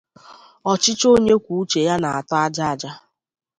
Ọchịchị onye kwuo uche ya na-atọ aja aja